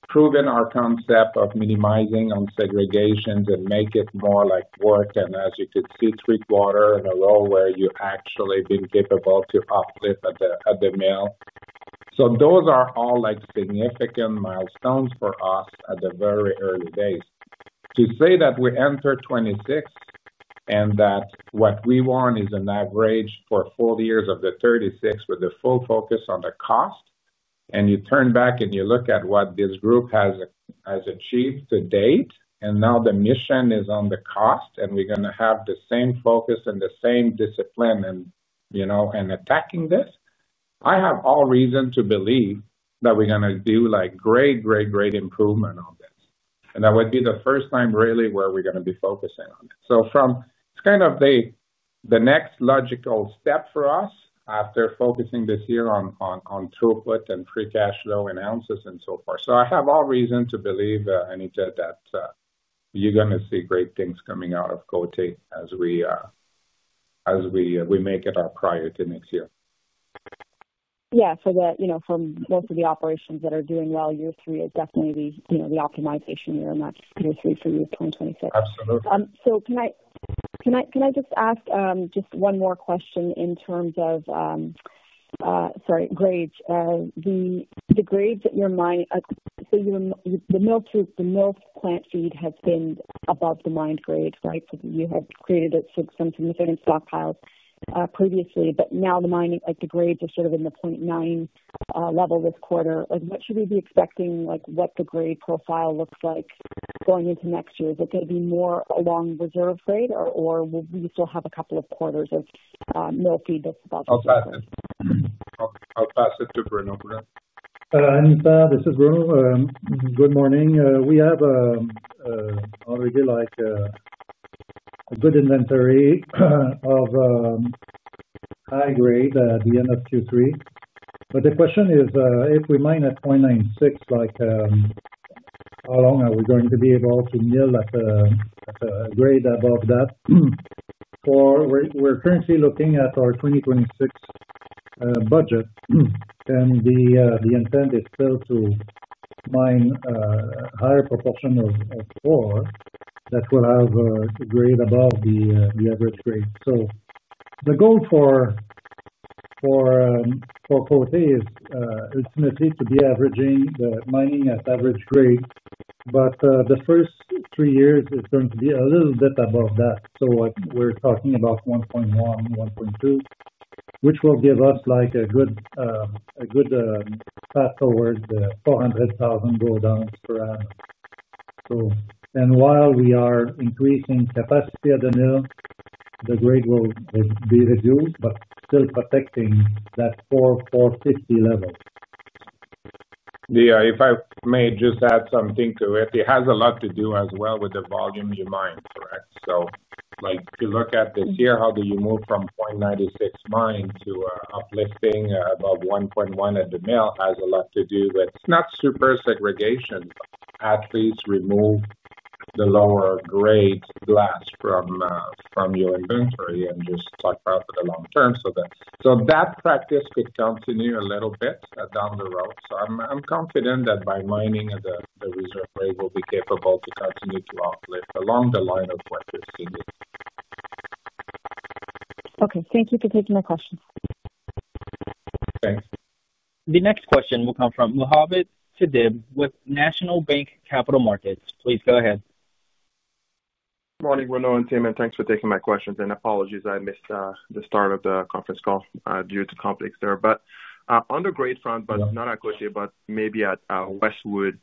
proven our concept of minimizing on segregations and make it more like work. As you could see, three-quarter in a row where you actually have been capable to uplift at the mill. Those are all significant milestones for us at the very early days. To say that we enter 2026. What we want is an average for four years of the '36 with the full focus on the cost, and you turn back and you look at what this group has achieved to date, and now the mission is on the cost, and we're going to have the same focus and the same discipline in attacking this. I have all reason to believe that we're going to do great, great, great improvement on this. That would be the first time really where we're going to be focusing on it. It is kind of the next logical step for us after focusing this year on throughput and free cash flow and ounces and so forth. I have all reason to believe, Anita, that you're going to see great things coming out of Côté as we make it our priority next year. Yeah. From most of the operations that are doing well, year three is definitely the optimization year and that is year three for you in 2026. Absolutely. Can I just ask just one more question in terms of, sorry, grades? The grades that you are—so the mill's plant feed has been above the mined grade, right? You have created some significant stockpiles previously, but now the grades are sort of in the 0.9 level this quarter. What should we be expecting, what the grade profile looks like going into next year? Is it going to be more along reserve grade, or will we still have a couple of quarters of mill feed that is above? I will pass it to Bruno over there. Anita, this is Bruno. Good morning. We have already a good inventory of high-grade at the end of 2023. The question is, if we mine at 0.96. How long are we going to be able to mill at a grade above that? We're currently looking at our 2026 budget, and the intent is still to mine a higher proportion of ore that will have a grade above the average grade. The goal for Côté is ultimately to be averaging the mining at average grade, but the first three years is going to be a little bit above that. We're talking about 1.1, 1.2, which will give us a good path towards the 400,000 gold oz per annum. While we are increasing capacity at the mill, the grade will be reduced, but still protecting that 450 level. Yeah. If I may just add something to it, it has a lot to do as well with the volume you mine, correct? If you look at this year, how do you move from 0.96 mine to uplifting above 1.1 at the mill has a lot to do with not super segregation, but at least remove the lower-grade blast from your inventory and just stockpile for the long term. That practice could continue a little bit down the road. I am confident that by mining at the reserve grade, we will be capable to continue to uplift along the line of what we are seeing. Okay. Thank you for taking my questions. Thanks. The next question will come from Mohamed Sidibé with National Bank Capital Markets. Please go ahead. Morning, Renaud and Tim. Thanks for taking my questions. Apologies, I missed the start of the conference call due to conflicts there. On the grade front, not at Côté, but maybe at Westwood,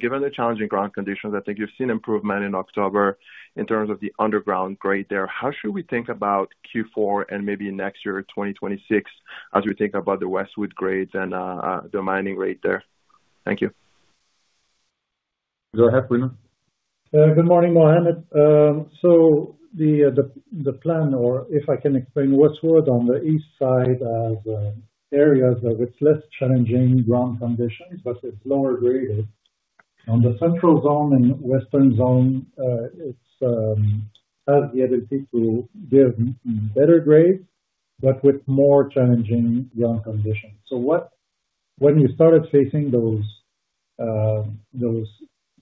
given the challenging ground conditions, I think you've seen improvement in October in terms of the underground grade there. How should we think about Q4 and maybe next year, 2026, as we think about the Westwood grades and the mining rate there? Thank you. Go ahead, Bruno. Good morning, Mohamed. The plan, or if I can explain, Westwood on the east side has areas of less challenging ground conditions, but it's lower grade. On the central zone and western zone, it has the ability to give better grades, but with more challenging ground conditions. When we started facing those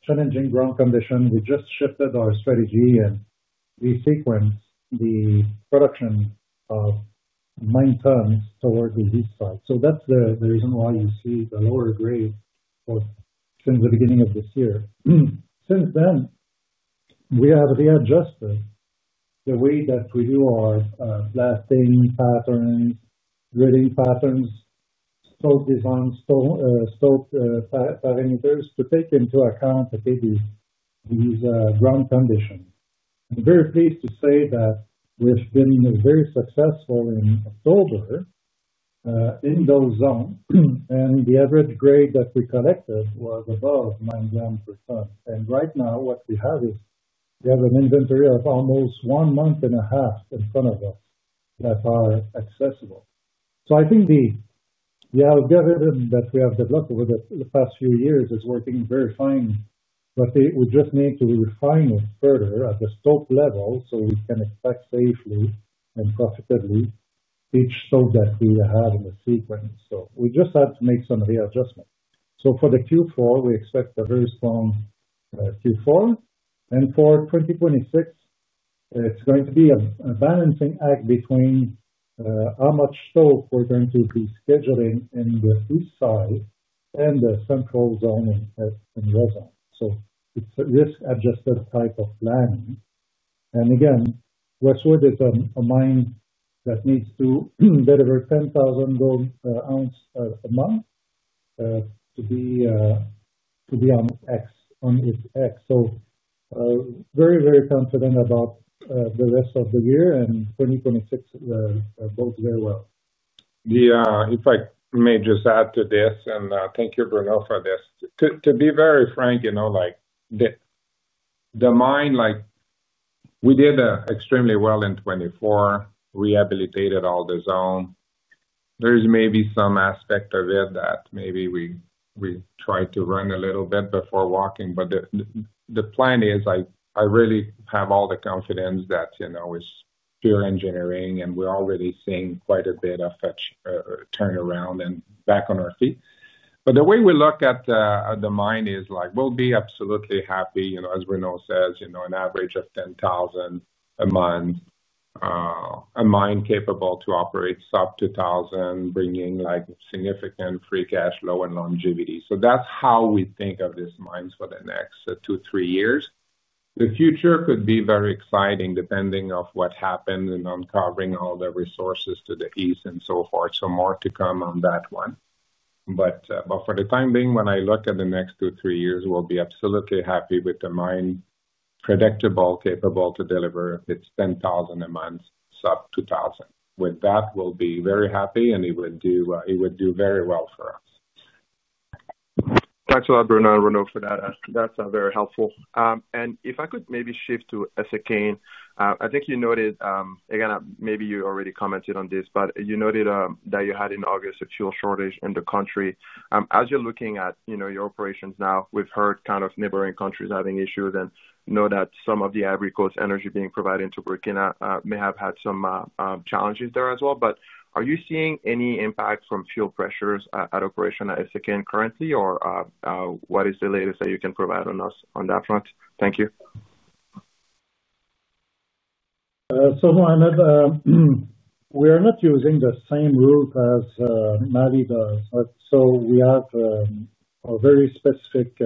challenging ground conditions, we just shifted our strategy and we sequenced the production of mine tons towards the east side. That's the reason why you see the lower grade since the beginning of this year. Since then, we have readjusted the way that we do our blasting patterns, gridding patterns, stope design, stope parameters to take into account these ground conditions. I'm very pleased to say that we've been very successful in October in those zones, and the average grade that we collected was above 9 g per tonne. Right now, what we have is we have an inventory of almost one month and a half in front of us that are accessible. I think the algorithm that we have developed over the past few years is working very fine, but we just need to refine it further at the stope level so we can expect safely and profitably each stope that we have in the sequence. We just had to make some readjustments. For the Q4, we expect a very strong Q4. For 2026, it's going to be a balancing act between how much stope we're going to be scheduling in the east side and the central zone in reserve. It's a risk-adjusted type of planning. Again, Westwood is a mine that needs to deliver 10,000 gold oz a month to be on its X. Very, very confident about the rest of the year, and 2026 goes very well. If I may just add to this, and thank you, Bruno, for this. To be very frank, the mine, we did extremely well in 2024, rehabilitated all the zone. There's maybe some aspect of it that maybe we tried to run a little bit before walking, but the plan is I really have all the confidence that it's pure engineering, and we're already seeing quite a bit of. Turnaround and back on our feet. The way we look at the mine is we'll be absolutely happy, as Bruno says, an average of 10,000 a month. A mine capable to operate sub CND 2,000, bringing significant free cash flow and longevity. That is how we think of these mines for the next two, three years. The future could be very exciting depending on what happens and on covering all the resources to the east and so forth. More to come on that one. For the time being, when I look at the next two, three years, we'll be absolutely happy with the mine predictable, capable to deliver its CND 10,000 a month, sub CND 2,000. With that, we'll be very happy, and it would do very well for us. Thanks a lot, Bruno and Renaud, for that. That is very helpful. If I could maybe shift to Essakane, I think you noted, again, maybe you already commented on this, but you noted that you had in August a fuel shortage in the country. As you're looking at your operations now, we've heard kind of neighboring countries having issues and know that some of the agriculture energy being provided to Burkina may have had some challenges there as well. Are you seeing any impact from fuel pressures at Essakane currently, or what is the latest that you can provide us on that front? Thank you. Mohamed. We are not using the same rules as NAVI does. We have a very specific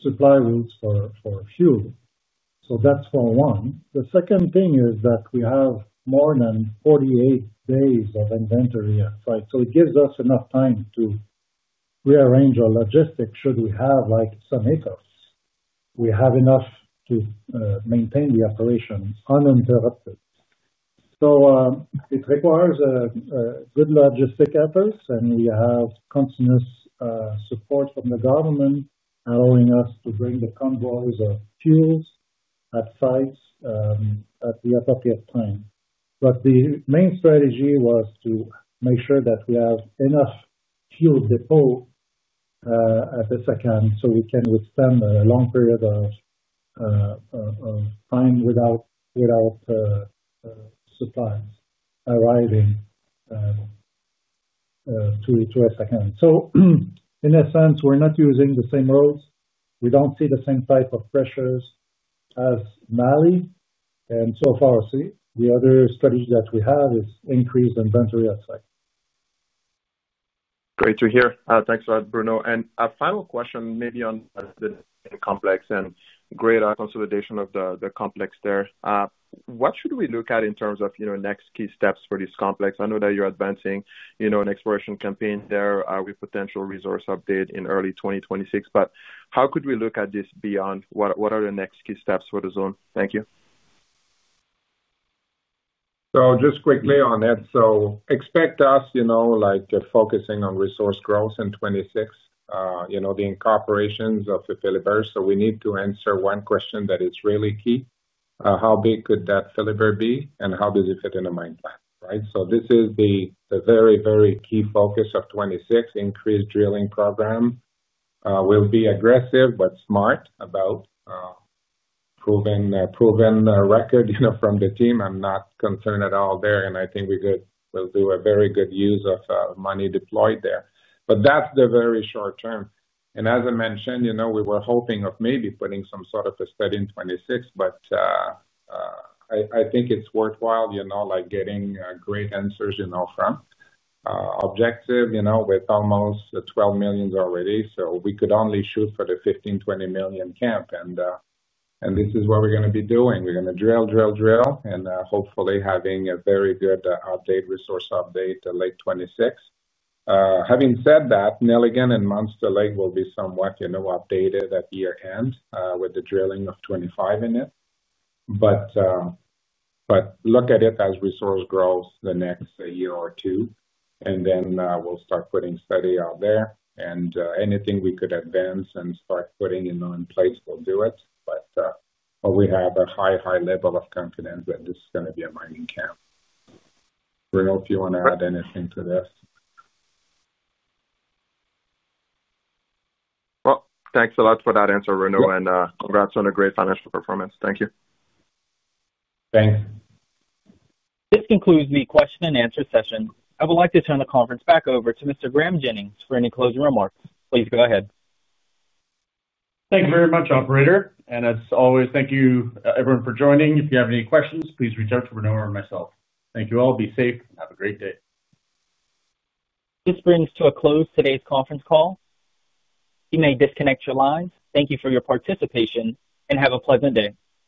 supply rules for fuel. That is for one. The second thing is that we have more than 48 days of inventory, right? It gives us enough time to. Rearrange our logistics should we have some hiccups. We have enough to maintain the operations uninterrupted. It requires good logistic efforts, and we have continuous support from the government, allowing us to bring the convoys of fuels at sites at the appropriate time. The main strategy was to make sure that we have enough fuel depots at Essakane so we can withstand a long period of time without supplies arriving to Essakane. In a sense, we're not using the same roads. We don't see the same type of pressures as [NAVI], and so far, the other strategy that we have is increased inventory at site. Great to hear. Thanks a lot, Bruno. A final question maybe on, that's a bit complex and great consolidation of the complex there. What should we look at in terms of next key steps for this complex? I know that you're advancing an exploration campaign there with potential resource update in early 2026, but how could we look at this beyond? What are the next key steps for the zone? Thank you. Just quickly on that. Expect us focusing on resource growth in 2026. The incorporation of the Philibert, so we need to answer one question that is really key. How big could that Philibert be, and how does it fit in a mine plan, right? This is the very, very key focus of 2026, increased drilling program. We'll be aggressive but smart about it. Proven record from the team. I'm not concerned at all there, and I think we'll do a very good use of money deployed there. That's the very short term. As I mentioned, we were hoping of maybe putting some sort of a study in 2026, but. I think it's worthwhile getting great answers from. Objective with almost 12 million already. We could only shoot for the 15 million-20 million camp. This is what we're going to be doing. We're going to drill, drill, drill, and hopefully having a very good update, resource update late 2026. Having said that, Nelligan and Monster Lake will be somewhat updated at year-end with the drilling of 2025 in it. Look at it as resource growth the next year or two, and then we'll start putting study out there. Anything we could advance and start putting in place, we'll do it. We have a high, high level of confidence that this is going to be a mining camp. Bruno, if you want to add anything to this. Thanks a lot for that answer, Bruno, and congrats on a great financial performance. Thank you. Thanks. This concludes the question-and-answer session. I would like to turn the conference back over to Mr. Graeme Jennings for any closing remarks. Please go ahead. Thank you very much, Operator. And as always, thank you, everyone, for joining. If you have any questions, please reach out to Bruno or myself. Thank you all. Be safe and have a great day. This brings to a close today's conference call. You may disconnect your lines. Thank you for your participation, and have a pleasant day.